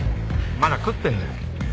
まだ食ってんだよ。